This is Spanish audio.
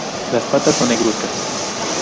Las patas son negruzcas.